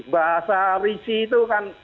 bahasa risi itu kan